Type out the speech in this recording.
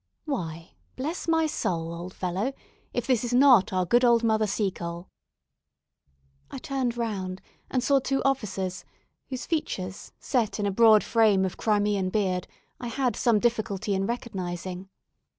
"Why, bless my soul, old fellow, if this is not our good old Mother Seacole!" I turned round, and saw two officers, whose features, set in a broad frame of Crimean beard, I had some difficulty in recognising.